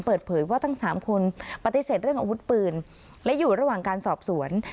เปิดเผยว่าทั้งสามคนปฏิเสธเรื่องอาวุธปืนและอยู่ระหว่างการสอบสวน